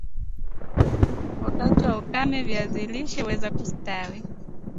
Wakati wa ukame viazi lishe huweza kustawi